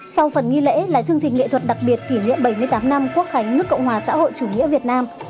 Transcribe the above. sau phần nghi lễ là chương trình nghệ thuật đặc biệt kỷ niệm bảy mươi tám năm quốc khánh nước cộng hòa xã hội chủ nghĩa việt nam